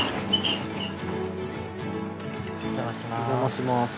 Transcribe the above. お邪魔します。